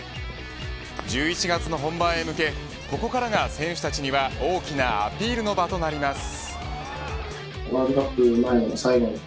１１月の本番へ向けここからが、選手たちには大きなアピールの場となります。